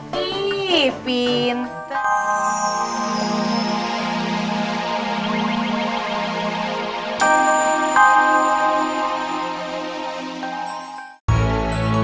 baik juga gus boleh ena enai